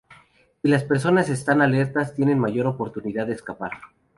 Si las presas están alertas, tienen mayor oportunidad de escapar.